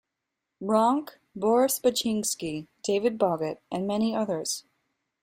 Ronk, Boris Baczynskj, David Boggett and many others.